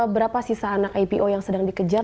berapa sisa anak ipo yang sedang dikejar